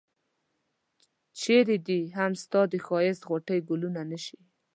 چرې دي هم ستا د ښایست غوټۍ ګلونه نه شي.